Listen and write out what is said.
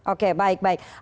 oke baik baik